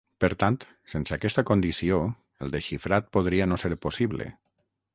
Per tant, sense aquesta condició el desxifrat podria no ser possible.